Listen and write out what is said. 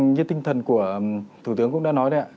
như tinh thần của thủ tướng cũng đã nói đấy ạ